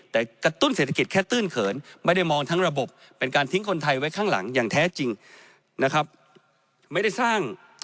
แต่กระตุ้นเศรษฐกิจแค่ตื้นเขินไม่ได้มองทั้งระบบเป็นการทิ้งคนไทยไว้ข้างหลังอย่างแท้จริงนะครับไม่ได้สร้าง